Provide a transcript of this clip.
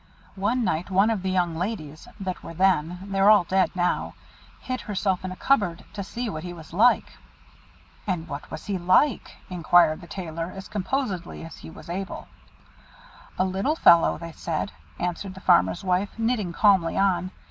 One night one of the young ladies (that were then, they're all dead now) hid herself in a cupboard, to see what he was like." "And what was he like?" inquired the Tailor, as composedly as he was able. "A little fellow, they said," answered the Farmer's wife, knitting calmly on.